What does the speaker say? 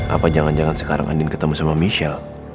apa jangan jangan sekarang andin ketemu sama michelle